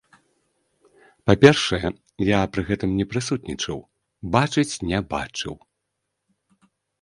Па-першае, я пры гэтым не прысутнічаў, бачыць не бачыў.